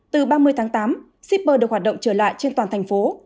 từ ba mươi tháng tám shipper được hoạt động trở lại trên toàn thành phố